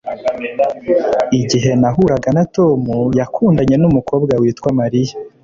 Igihe nahuraga na Tom, yakundanye numukobwa witwa Mariya.